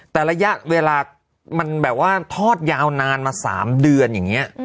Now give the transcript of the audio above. แต่ระยะเวลามันแบบว่าทอดยาวนานมา๓เดือนอย่างนี้